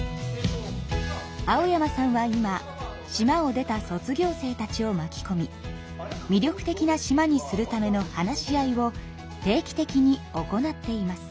青山さんは今島を出た卒業生たちをまきこみ魅力的な島にするための話し合いを定期的に行っています。